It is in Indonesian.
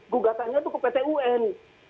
gugatannya itu ke pt un